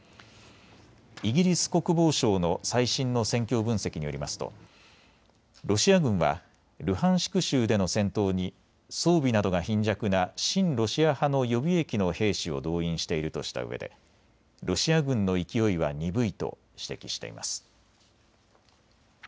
イギリス国防省の最新の戦況分析によりますとロシア軍はルハンシク州での戦闘に装備などが貧弱な親ロシア派の予備役の兵士を動員しているとしたうえでロシア軍の勢いは鈍いと指摘しています。